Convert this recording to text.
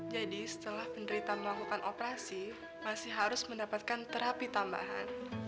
jadi setelah penderita melakukan operasi masih harus mendapatkan terapi tambahan